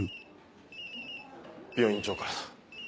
病院長からだ。